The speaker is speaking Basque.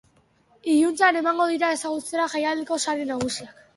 Iluntzean emango dira ezagutzera jaialdiko sari nagusiak.